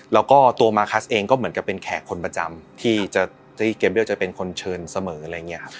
แล้วก็ตัวมาคัสเองก็เหมือนกับเป็นแขกคนประจำที่เกมเลจะเป็นคนเชิญเสมออะไรอย่างนี้ครับ